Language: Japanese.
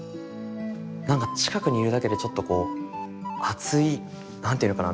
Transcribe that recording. なんか近くにいるだけでちょっとこう熱い何ていうのかな